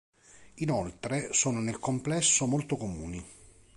Inoltre sono nel complesso molto comuni.